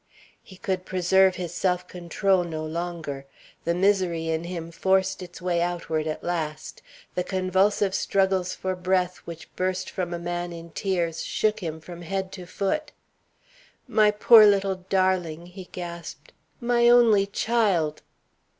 He could preserve his self control no longer; the misery in him forced its way outward at last. The convulsive struggles for breath which burst from a man in tears shook him from head to foot. "My poor little darling!" he gasped. "My only child!"